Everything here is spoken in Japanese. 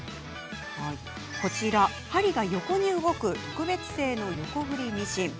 こちら、針が横に動く特別製の横振りミシン。